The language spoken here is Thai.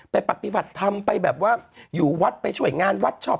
ปฏิบัติธรรมไปแบบว่าอยู่วัดไปช่วยงานวัดชอบ